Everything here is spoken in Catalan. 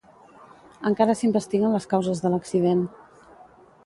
Encara s’investiguen les causes de l’accident.